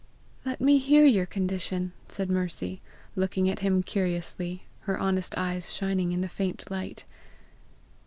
"Let me hear your condition," said Mercy, looking at him curiously, her honest eyes shining in the faint light.